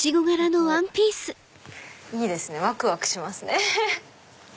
いいですねわくわくしますね！